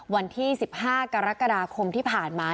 วันที่๑๕กรกฎาคมที่ผ่านมา